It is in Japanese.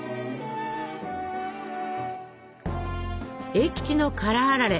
栄吉の辛あられ